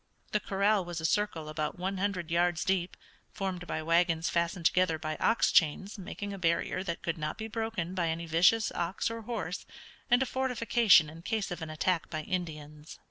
The corral was a circle about one hundred yards deep, formed by wagons fastened together by ox chains, making a barrier that could not be broken by any vicious ox or horse, and a fortification in case of an attack by Indians.